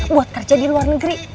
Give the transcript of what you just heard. buat kerja di luar negeri